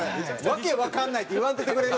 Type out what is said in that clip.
「訳わかんない」って言わんとって。